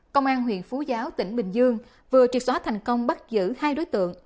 công an huyện phú giáo tỉnh bình dương vừa triệt xóa thành công bắt giữ hai đối tượng